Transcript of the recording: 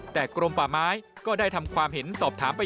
แต่กรมป่าไม้ก็ได้ทำความเห็นสอบถามไป